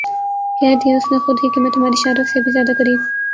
کہہ دیا اس نے خود ہی کہ میں تمھاری شہہ رگ سے بھی زیادہ قریب